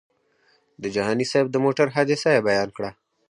د جهاني صاحب د موټر حادثه یې بیان کړه.